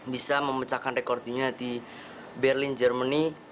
bisa memencahkan rekordinya di berlin germany